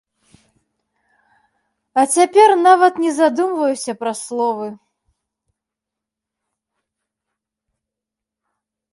А цяпер нават не задумваюся пра словы.